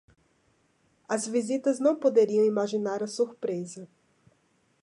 As visitas não poderiam imaginar a surpresa